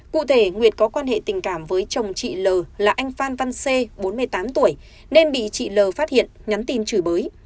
cụ thể nguyệt có quan hệ tình cảm với chồng chị l là anh phan văn c bốn mươi tám tuổi nên bị chị l phát hiện nhắn tin chửi bới